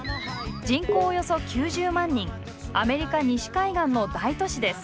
人口およそ９０万人アメリカ西海岸の大都市です。